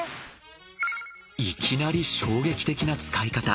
いきなり衝撃的な使い方。